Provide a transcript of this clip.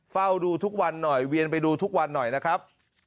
เฝ้าดูทุกวันหน่อยเวียนไปดูทุกวันหน่อยนะครับ